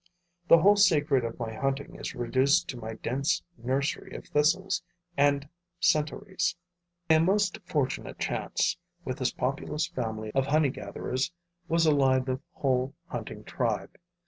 The whole secret of my hunting is reduced to my dense nursery of thistles and centauries. By a most fortunate chance, with this populous family of honey gatherers was allied the whole hunting tribe.